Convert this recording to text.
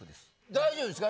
大丈夫ですか？